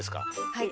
はい。